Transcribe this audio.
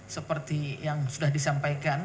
seperti yang sudah disampaikan